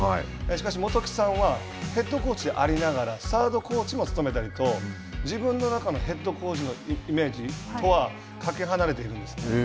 しかし元木さんはヘッドコーチでありながらサードコーチも務めたりと自分の中のヘッドコーチのイメージとはかけ離れているんです。